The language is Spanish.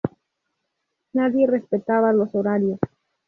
Nadie respetaba los horarios.